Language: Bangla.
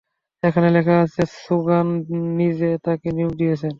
এখানে লেখা আছে সোগান নিজে তাকে নিয়োগ দিয়েছেন।